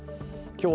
今日